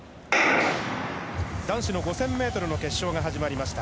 男子の５０００ｍの決勝が始まりました。